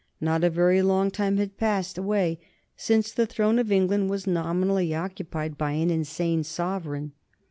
Not a very long time had passed away since the throne of England was nominally occupied by an insane sovereign.